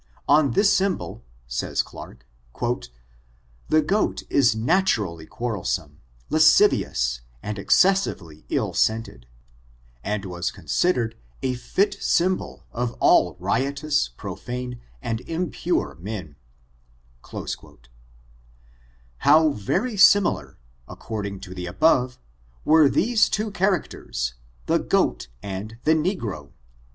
On this symbol, says Clarke, '^ the goat is naturally quarrelsome, las» civiouSf and excessively ill scented, and was consid* ered a fit symbol of all riotous, profane, and impure I 180 ORIGIN, CHARACTEB, AND I men." How very sinUUr, according to the above, were these two characters, the goat and the negro?